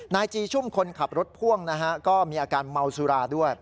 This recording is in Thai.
นายจีชุ่มคนขับรถพ่วงนะฮะก็มีอาการเมาสุราด้วย